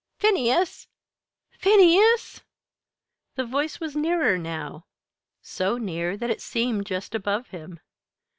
"Phineas! Phineas!" The voice was nearer now, so near that it seemed just above him.